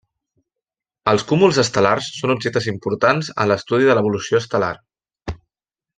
Els cúmuls estel·lars són objectes importants en l'estudi de l'evolució estel·lar.